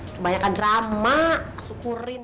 kebanyakan drama syukurin